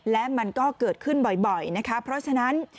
และมันก็เกิดขึ้นบ่อยนะคะเพราะฉะนั้น